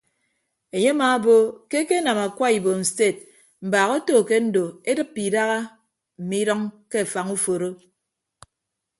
Enye amaabo ke ekenam akwa ibom sted mbaak oto ke ndo edịppe idaha mme idʌñ ke afañ uforo.